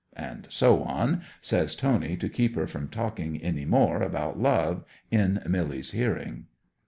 And so on, says Tony, to keep her from talking any more about love in Milly's hearing.